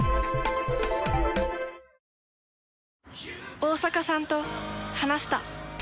大坂さんと話した。